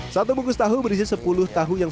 satu bungkus tahu berisi sepuluh tahu yang siap dipasang